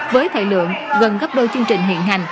với thời lượng gần gấp đôi chương trình hiện hành